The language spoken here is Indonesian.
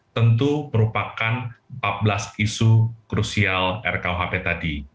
tentu merupakan empat belas isu krusial rkuhp tadi